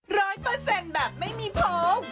ร้อยเปอร์เซ็นต์แบบไม่มีโพล